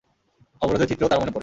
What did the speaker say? অবরোধের চিত্রও তার মনে পড়ে।